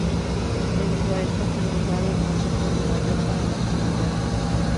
Debido a esto, fue nombrado al Consejo de Nueva York para las Humanidades.